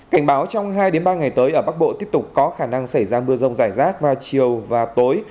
cảnh báo trong hai ba ngày tới ở bắc bộ tiếp tục có khả năng xảy ra mưa rông rải rác vào chiều và tối